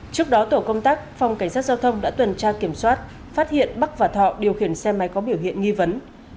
trước đó tổ công tác phòng cảnh sát giao thông đã tuần tra kiểm soát phát hiện bắc và thọ điều khiển xe máy có biểu hiện nghi vấn